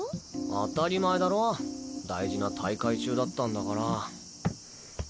当たり前だろ大事な大会中だったんだから。